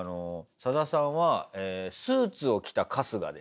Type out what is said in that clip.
サダさんはスーツを着た春日です。